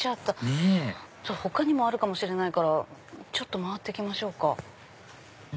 ねぇ他にもあるかもしれないからちょっと回ってきましょうか。